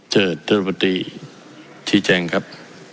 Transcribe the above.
เจอทฤพตรีชิเจ้งครับ